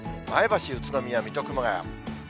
前橋、宇都宮、水戸、熊谷。